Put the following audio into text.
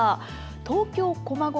東京・駒込。